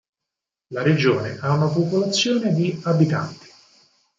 La regione ha una popolazione di abitanti.